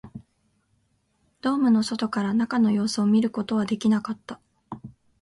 ドームの外から中の様子を知ることはできなかった